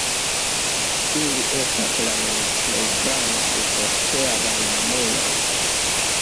Ili estas la nun plej grandaj surteraj mamuloj.